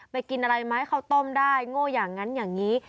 กินอะไรไหมข้าวต้มได้โง่อย่างนั้นอย่างนี้